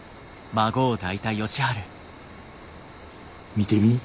見てみ。